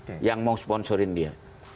saya mau sponsorin dia